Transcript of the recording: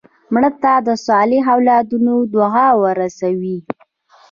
مړه ته د صالح اولادونو دعا ورسوې